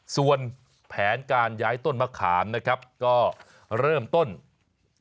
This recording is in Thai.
ส่วนแผนการย้ายต้นมะขามนะครับก็เริ่มต้นจากการศึกษาการเคลื่อนย้ายต้นมะขามอย่างละเอียด